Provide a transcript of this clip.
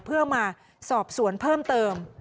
เพื่อมาสอบสวนเพิ่มเติม